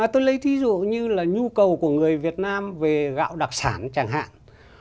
tôi lấy ví dụ như là nhu cầu của người việt nam về gạo đặc sản chẳng hạn